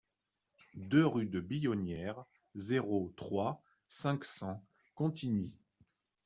deux rue de Billonnière, zéro trois, cinq cents Contigny